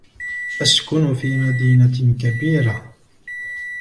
أسكن في مدينة كبيرة.